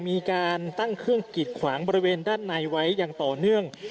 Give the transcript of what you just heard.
มีการตั้งเครื่องกิดขวางบริเวณด้านในไว้อย่างต่อเนื่อง